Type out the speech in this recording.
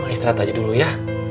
istirahat aja dulu ya